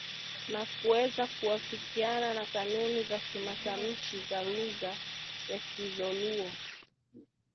na kuweza kuafikiana na kanuni za kimatamshi za lugha ya Kidholuo